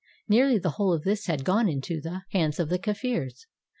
Nearly the whole of this had gone into the hands of the Kafirs.